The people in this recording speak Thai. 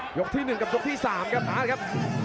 หยุกที่๑กับหยุกที่๓ครับ